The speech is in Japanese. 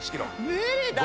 無理だよ！